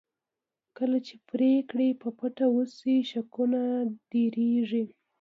کله چې پرېکړې په پټه وشي شکونه ډېرېږي